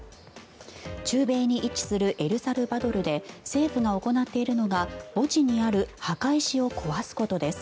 中米に位置するエルサルバドルで政府が行っているのが墓地にある墓石を壊すことです。